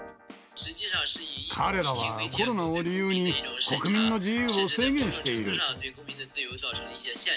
彼らはコロナを理由に国民の自由を制限している。